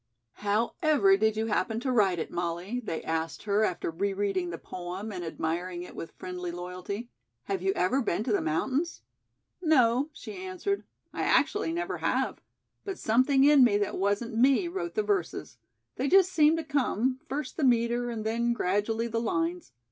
"How ever did you happen to write it, Molly?" they asked her after re reading the poem and admiring it with friendly loyalty. "Have you ever been to the mountains?" "No," she answered, "I actually never have. But something in me that wasn't me wrote the verses. They just seemed to come, first the meter and then, gradually, the lines.